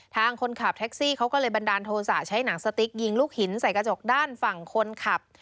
ทางคนขับแท็กซี่เขาก็เลยบันดาลโทษะใช้หนังสติ๊กยิงลูกหินใส่กระจกด้านฝั่งคนขับ